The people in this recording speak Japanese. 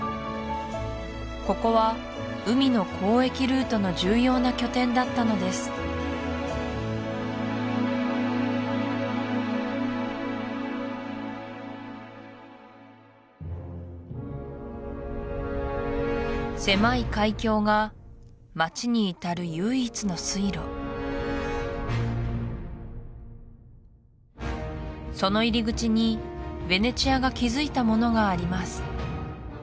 ここは海の交易ルートの重要な拠点だったのです狭い海峡が街に至る唯一の水路その入り口にヴェネツィアが築いたものがあります